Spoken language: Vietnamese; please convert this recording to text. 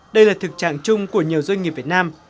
đây là thực trạng chung của nhiều doanh nghiệp việt nam